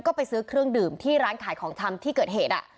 ก็ไปซื้อเครื่องดื่มที่ร้านขายของชำที่เกิดเหตุ